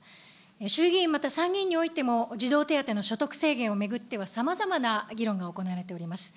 衆議院また参議院においても、児童手当の所得制限を巡ってはさまざまな議論が行われております。